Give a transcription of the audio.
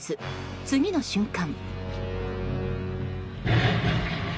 次の瞬間。